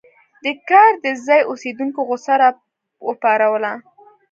دې کار د ځايي اوسېدونکو غوسه راوپاروله.